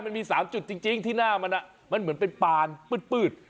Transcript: มันมี๓จุดจริงที่หน้ามันมันเหมือนเป็นปานปืด